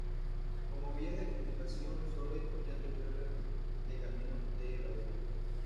Como vías de comunicación solo disponían de una red de caminos de "herradura".